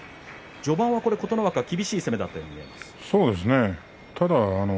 序盤は琴ノ若、厳しい攻めだったように見えます。